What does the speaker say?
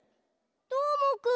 どーもくん？